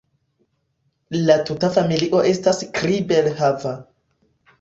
La tuta familio estas kribel-hava.